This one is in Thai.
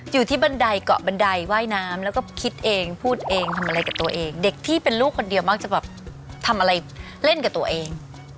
บันไดเกาะบันไดว่ายน้ำแล้วก็คิดเองพูดเองทำอะไรกับตัวเองเด็กที่เป็นลูกคนเดียวมักจะแบบทำอะไรเล่นกับตัวเอง